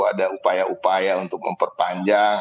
ada upaya upaya untuk memperpanjang